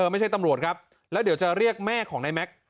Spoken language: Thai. ไม่ใช่ตำรวจครับแล้วเดี๋ยวจะเรียกแม่ของนายแม็กซ์